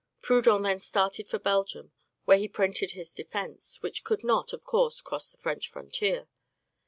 Proudhon then started for Belgium, where he printed his defence, which could not, of course, cross the French frontier.